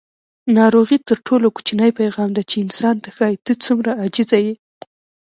ناروغي تر ټولو کوچنی پیغام دی چې انسان ته ښایي: ته څومره عاجزه یې.